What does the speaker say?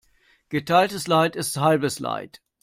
Geteiltes Leid ist halbes Leid.